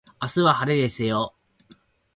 明日は晴れですよ